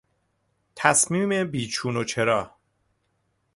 تصمیم بی چون و چرا